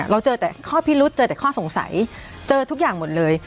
เราเจอแต่ข้อพิรุษเจอแต่ข้อสงสัยเจอทุกอย่างหมดเลย